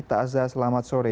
ta'azah selamat sore